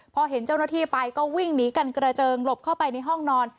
พอเห็นเจ้าหน้าที่ไปก็วิ่งหนีกันกระเจิงหลบเข้าไปในห้องนอน